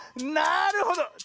なるほど！